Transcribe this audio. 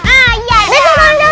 ayo betul betul betul